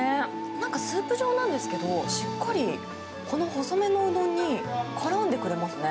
なんかスープ状なんですけど、しっかりこの細めのうどんにからんでくれますね。